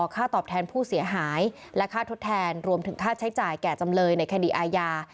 ค่าตอบแทนผู้เสียหายและค่าทดแทนรวมถึงค่าใช้จ่ายแก่จำเลยในคดีอาญา